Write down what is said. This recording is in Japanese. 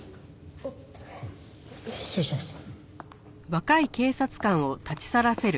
あ失礼します。